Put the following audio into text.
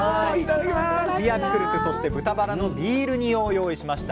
ビアピクルスそして豚バラのビール煮を用意しました。